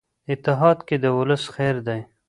اتحاد کې د ولس خیر دی.